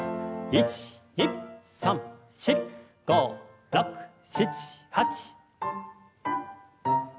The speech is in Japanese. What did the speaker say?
１２３４５６７８。